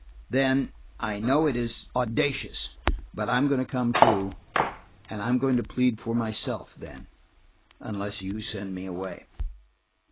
Then, I know it is audacious, but I am going to come, too, and–I'm going to plead for myself then, unless you send me away."